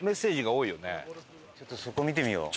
ちょっとそこ見てみよう。